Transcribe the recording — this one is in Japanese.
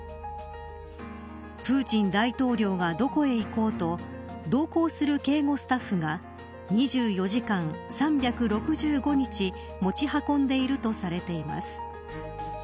プーチン大統領がどこへ行こうと同行する警護スタッフが２４時間３６５日持ち運んでいるとされています。